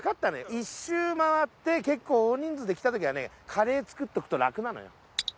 一周まわって結構大人数で来た時はねレー作っとくと楽なのよ。